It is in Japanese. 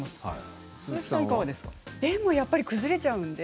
やっぱり崩れちゃうんです。